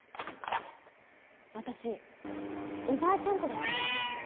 私おばあちゃん子だったんです。